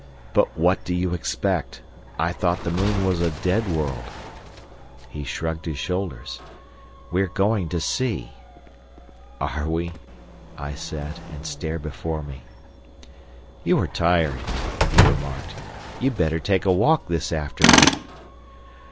"But what do you expect? I thought the moon was a dead world." He shrugged his shoulders. "We're going to see." "Are we?" I said, and stared before me. "You are tired," he remarked. "You'd better take a walk this afternoon."